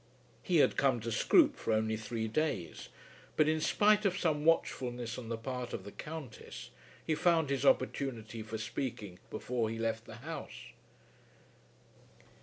He had come to Scroope for only three days, but, in spite of some watchfulness on the part of the Countess, he found his opportunity for speaking before he left the house.